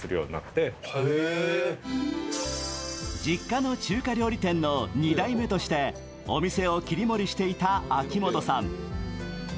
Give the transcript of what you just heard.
実家の中華料理店の２代目としてお店を切り盛りしていた秋元さん。